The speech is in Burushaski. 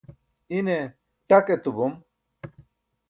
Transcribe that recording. ine ṭak etu bom